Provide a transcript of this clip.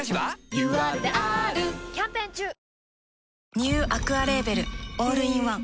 ニューアクアレーベルオールインワン